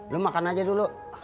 lu makan aja dulu